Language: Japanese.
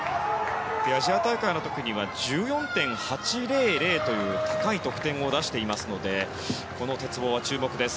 アジア大会の時には１４．８００という高い得点を出していますのでこの鉄棒は注目です。